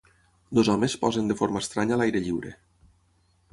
Dos homes posen de forma estranya a l'aire lliure.